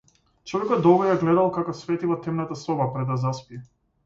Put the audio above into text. Човекот долго ја гледал како свети во темната соба пред да заспие.